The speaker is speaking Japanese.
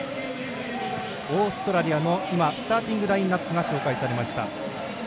オーストラリアのスターティングラインアップが紹介されました。